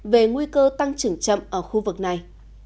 về nguy cơ tăng trưởng chậm ở khu vực này